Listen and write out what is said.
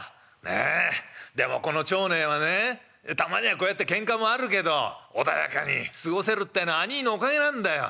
ねえでもこの町内はねたまにはこうやってけんかもあるけど穏やかに過ごせるってえのは兄ぃのおかげなんだよ。